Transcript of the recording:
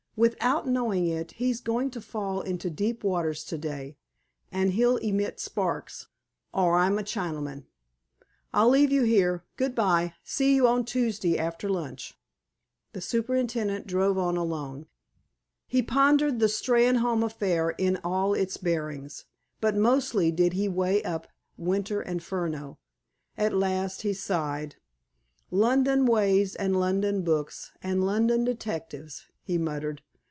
Without knowing it, he's going to fall into deep waters to day, and he'll emit sparks, or I'm a Chinaman.... I'll leave you here. Good by! See you on Tuesday, after lunch." The superintendent drove on alone. He pondered the Steynholme affair in all its bearings, but mostly did he weigh up Winter and Furneaux. At last, he sighed. "London ways, and London books, and London detectives!" he muttered.